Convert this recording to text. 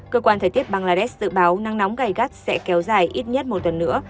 cơ quan thời tiết bangladesh dự báo nắng nóng gai gắt sẽ kéo dài ít nhất một tuần nữa